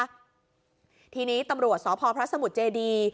ได้นะคะทีนี้ตำรวจสอพพระสมุทรเจดี